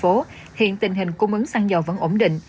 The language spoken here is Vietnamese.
hiện tình hình cung ứng săn dầu vẫn ổn định